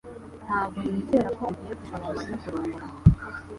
Ntabwo nizera ko ugiye gusaba Mariya kurongora